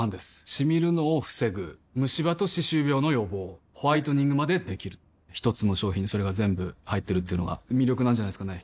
シミるのを防ぐムシ歯と歯周病の予防ホワイトニングまで出来る一つの商品にそれが全部入ってるっていうのが魅力なんじゃないですかね